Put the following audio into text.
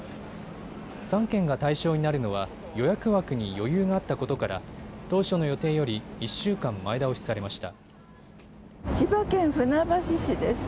３県が対象になるのは予約枠に余裕があったことから当初の予定より１週間前倒しされました。